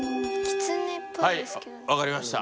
はい分かりました。